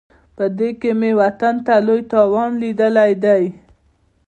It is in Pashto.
په دې کې مې وطن ته لوی تاوان لیدلی دی.